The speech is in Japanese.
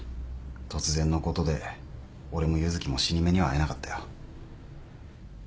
突然のことで俺も柚希も死に目には会えなかったよ。